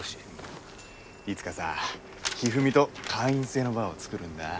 いつかさひふみと会員制のバーを作るんだ。